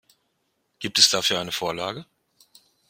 Gibt es dafür eine Vorlage?